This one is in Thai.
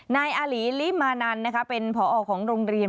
นายอาหลีลิมานันเป็นผอของโรงเรียน